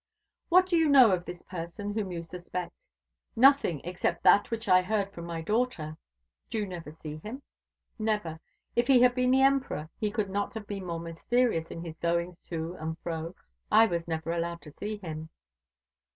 "What do you know of this person whom you suspect?" "Nothing except that which I heard from my daughter." "Did you never see him?" "Never. If he had been the Emperor he could not have been more mysterious in his goings to and fro. I was never allowed to see him."